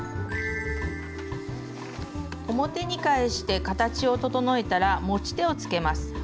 表に返して形を整えたら持ち手をつけます。